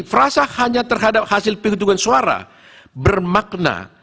frasa hanya terhadap hasil penghitungan suara bermakna